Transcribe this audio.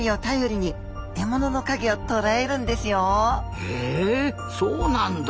へえそうなんだ。